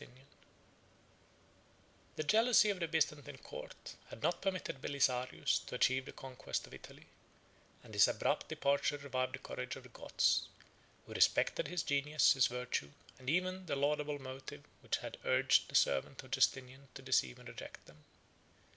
] The jealousy of the Byzantine court had not permitted Belisarius to achieve the conquest of Italy; and his abrupt departure revived the courage of the Goths, 6 who respected his genius, his virtue, and even the laudable motive which had urged the servant of Justinian to deceive and reject them.